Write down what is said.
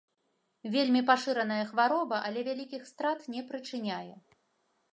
Вельмі пашыраная хвароба, але вялікіх страт не прычыняе.